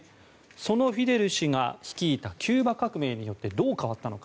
そのフィデル氏が率いたキューバ革命によってどう変わったのか。